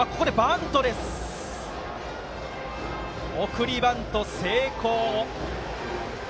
送りバント成功。